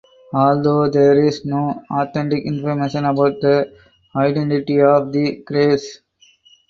Although there is no authentic information about the identity of the graves.